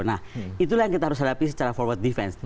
nah itulah yang kita harus hadapi secara forward defense